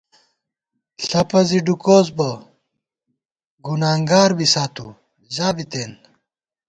ݪپہ زی ڈُکوس بہ گُنانگار بِسا تُو ژا بِتېن